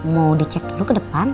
mau dicek dulu ke depan